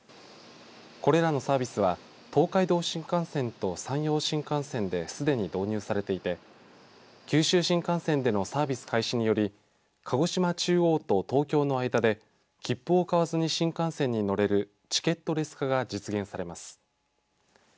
これらのサービスは東海道新幹線と山陽新幹線ですでに導入されていて九州新幹線でのサービス開始により鹿児島中央と東京の間で切符を買わずに新幹線に乗れるチケットレス化が実現されます。